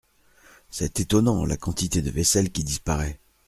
C’est étonnant, la quantité de vaisselle qui disparaît…